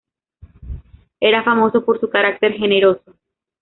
Era famoso por su carácter generoso.